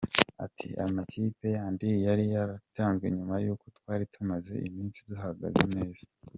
Ati "Amakipe yandi yari yaratwize nyuma yuko twari tumaze iminsi duhagaze neza.